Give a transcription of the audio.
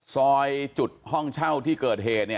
ซอยจุดห้องเช่าที่เกิดเหตุ